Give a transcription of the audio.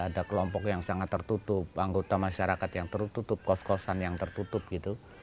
ada kelompok yang sangat tertutup anggota masyarakat yang tertutup kos kosan yang tertutup gitu